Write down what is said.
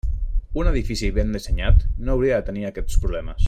Un edifici ben dissenyat no hauria de tenir aquests problemes.